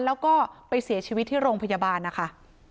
แล้วก็ไปเสียชีวิตที่โรงพยาบาลนะคะ